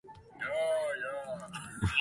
ミズーリ州の州都はジェファーソンシティである